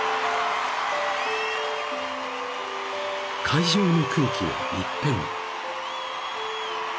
［会場の空気が一変］